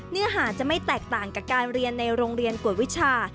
เนื้อหาจะไม่แตกต่างกับการเรียนในโรงเรียนกวดวิชา